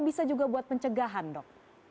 bisa juga buat pencegahan dok